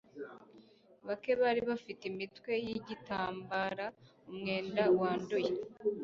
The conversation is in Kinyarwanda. Bake bari bafite imitwe yigitambara umwenda wanduye